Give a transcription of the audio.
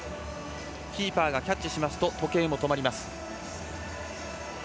キーパーがキャッチすると時計も止まります。